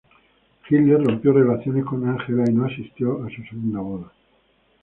Hitler rompió relaciones con Angela y no asistió a su segunda boda.